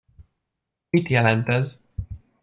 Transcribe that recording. Mit jelent ez?